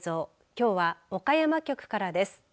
きょうは岡山局からです。